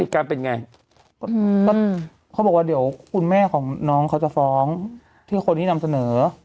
กลับเป็นยังไงเดี่ยวคุณแม่ของน้องเขาจะฟ้องที่ผมนี่นำเสนอ